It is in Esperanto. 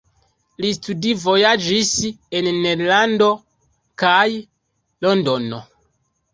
Li studvojaĝis en Nederlando kaj Londono.